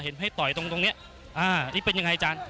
เห็นให้ต่อยตรงเนี่ยอ่านี่เป็นยังไงจาน